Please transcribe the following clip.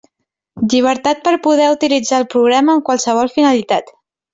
Llibertat per poder utilitzar el programa amb qualsevol finalitat.